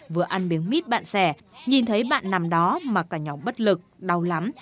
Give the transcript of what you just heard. vừa ăn miếng mít bạn xẻ nhìn thấy bạn nằm đó mà cả nhỏ bất lực đau lắm